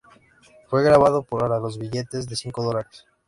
Fue grabado para los billetes de cinco dólares.